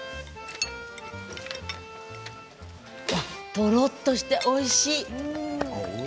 とろっとしておいしい。